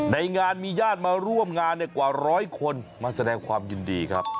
ในงานมีญาติมาร่วมงานกว่าร้อยคนมาแสดงความยินดีครับ